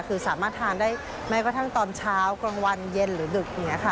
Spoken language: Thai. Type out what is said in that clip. คือสามารถทานได้แม้กระทั่งตอนเช้ากลางวันเย็นหรือดึกอย่างนี้ค่ะ